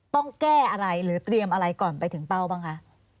ต้องแก้อะไรหรือเตรียมอะไรก่อนไปถึงเป้าบ้างคะ